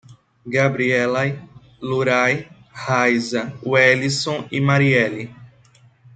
Gabriely, Iury, Raiza, Welison e Marieli